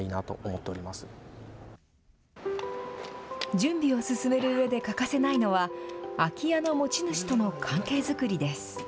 準備を進めるうえで欠かせないのは空き家の持ち主との関係づくりです。